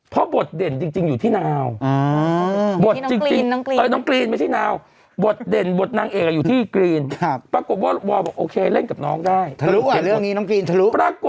เพราะบทเด่นจริงอยู่ที่นาวบทจริง